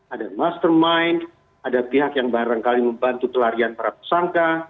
ada mastermind ada pihak yang barangkali membantu pelarian para tersangka